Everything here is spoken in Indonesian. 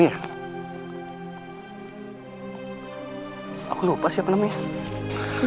jangan semuanya berkecewakan